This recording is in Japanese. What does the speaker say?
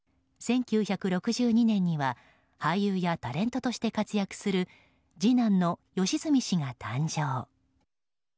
１９６２年には俳優やタレントとして活躍する次男の良純氏が誕生。